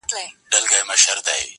درد بايد درک کړل سي تل،